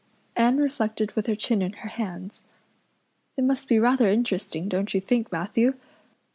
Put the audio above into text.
Anne reflected with her chin in her hands. "It must be rather interesting, don't you think, Matthew?